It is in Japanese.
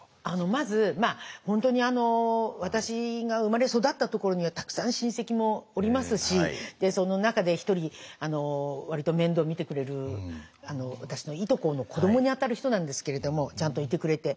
まず本当に私が生まれ育ったところにはたくさん親戚もおりますしその中で一人割と面倒見てくれる私のいとこの子どもにあたる人なんですけれどもちゃんといてくれて。